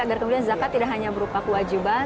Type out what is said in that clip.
agar kemudian zakat tidak hanya berupa kewajiban